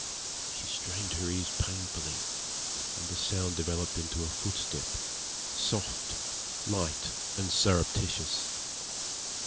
She strained her ears painfully, and the sound developed into a footstep, soft, light, and surreptitious.